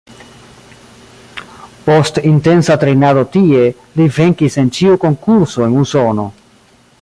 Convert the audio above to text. Post intensa trejnado tie, li venkis en ĉiu konkurso en Usono.